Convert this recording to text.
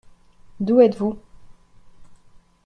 D’où êtes-vous ?